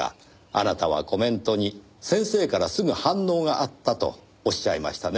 あなたはコメントに先生からすぐ反応があったとおっしゃいましたね。